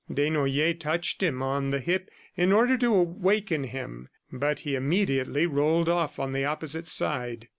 Desnoyers touched him on the hip in order to waken him, but he immediately rolled off on the opposite side.